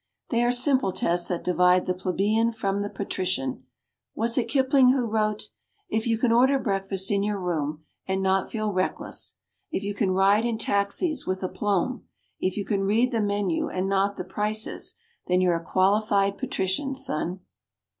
They are simple tests that divide the plebeian from the patrician. Was it Kipling who wrote: "If you can order breakfast in your room and not feel reckless, If you can ride in taxis with aplomb, If you can read the menu and not the prices, Then, you're a qualified patrician, son."